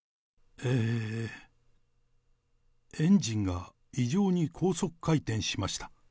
えー、エンジンが異常に高速回転しました。